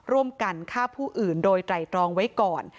ร่วมกันฆ่าผู้อื่นโดยไตรตรองไว้ก่อน